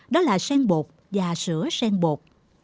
đó là sen bột và sữa sen bột